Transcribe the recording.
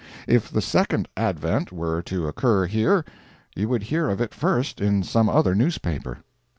If the Second advent were to occur here, you would hear of it first in some other newspaper.